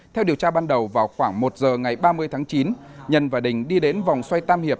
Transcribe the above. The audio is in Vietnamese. theo điều tra ban đầu vào khoảng một giờ ngày ba mươi tháng chín nhân và đình đi đến vòng xoay tam hiệp